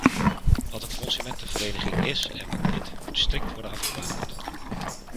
Wat een consumentenvereniging is en wat niet, moet strikt worden afgebakend.